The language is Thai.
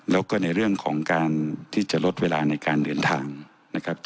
แล้วก็ในเรื่องของการที่จะลดเวลาในการเดินทางนะครับ